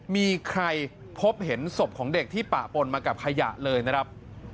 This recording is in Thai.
มีใครพบเห็นศพของเด็กที่ปะปนมากับขยะเลยนะครับ